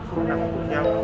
không nằm cùng nhau